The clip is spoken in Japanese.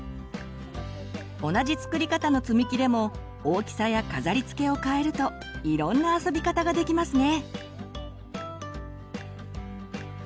同じ作り方のつみきでも大きさや飾りつけをかえるといろんな遊び方ができますね！